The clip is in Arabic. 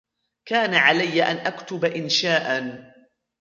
كان علي أن أكتب إنشاءا.